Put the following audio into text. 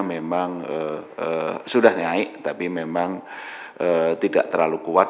memang sudah naik tapi memang tidak terlalu kuat